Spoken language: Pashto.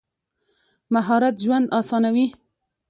مهارت ژوند اسانوي.